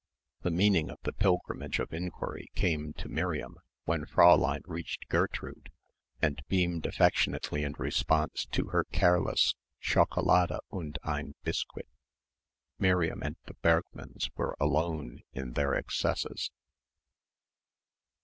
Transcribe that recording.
The meaning of the pilgrimage of enquiry came to Miriam when Fräulein reached Gertrude and beamed affectionately in response to her careless "Schokolade und ein Biskuit." Miriam and the Bergmanns were alone in their excesses.